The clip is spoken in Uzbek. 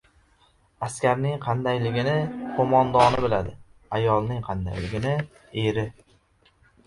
• Askarning qandayligini qo‘mondoni biladi, ayolning qandayligini — eri.